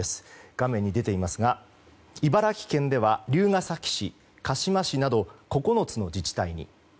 画面に出ていますが茨城県では龍ケ崎市、鹿嶋市など９つの自治体に。